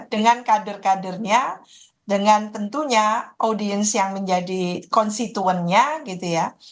dengan kader kadernya dengan tentunya audiens yang menjadi konstituennya gitu ya